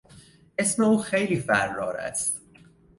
اسم او خیلی فرار است.